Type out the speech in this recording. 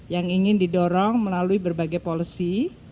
yang ingin didorong melalui berbagai policy